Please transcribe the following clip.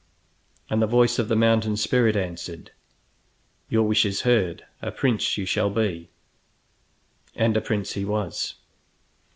And the voice of the mountain spirit answered: "Your wish is heard; a prince you shall be." And a prince he was.